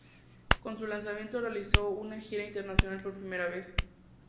Con su lanzamiento realizaron una gira internacional por primera vez.